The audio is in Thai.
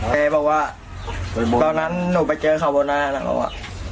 แกบอกว่าตอนนั้นหนูไปเจอคาโบนาแล้วอ่ะ